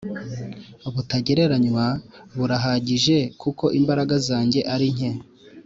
butagereranywa buraguhagije kuko imbaraga zanjye arinke